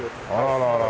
あららら。